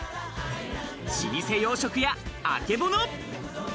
老舗洋食屋、あけぼの。